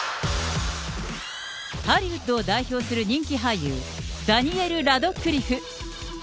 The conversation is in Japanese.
ハリウッドを代表する人気俳優、ダニエル・ラドクリフ。